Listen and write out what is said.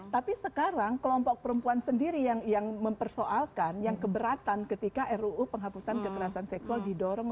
tapi sekarang kelompok perempuan sendiri yang mempersoalkan yang keberatan ketika ruu penghapusan kekerasan seksual didorong